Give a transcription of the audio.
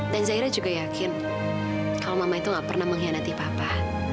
dan zaira juga yakin kalau mama itu gak pernah mengkhianati papa